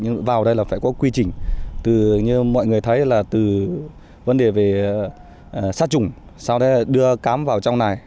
nhưng người thấy là từ vấn đề về sát trùng sau đó đưa cám vào trong này